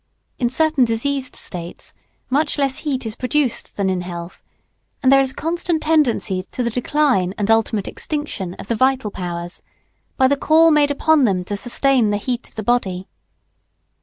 In certain diseased states much less heat is produced than in health; and there is a constant tendency to the decline and ultimate extinction of the vital powers by the call made upon them to sustain the heat of the body.